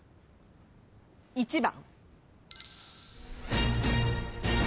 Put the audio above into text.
１番。